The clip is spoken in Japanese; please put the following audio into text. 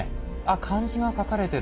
漢字が書かれてる。